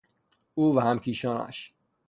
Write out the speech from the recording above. او و همکیشانش